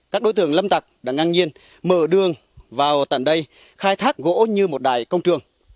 các đối tượng lâm tặc đã ngang nhiên mở đường vào tận đây khai thác gỗ như một đài công trường